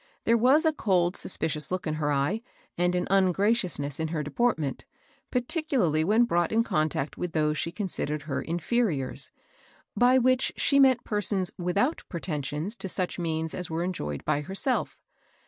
There was a cold, suspicions look in her eye, and an ungraciousness in her deportment, particularly when brought in contact with those she called her "inferiors," by which she meant persons without pretensions to such means as were enjoyed by herself.